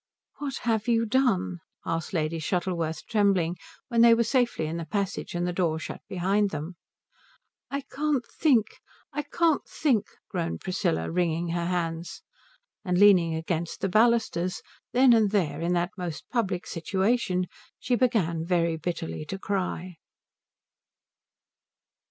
"What have you done?" asked Lady Shuttleworth trembling, when they were safely in the passage and the door shut behind them. "I can't think I can't think," groaned Priscilla, wringing her hands. And, leaning against the balusters, then and there in that most public situation she began very bitterly to cry.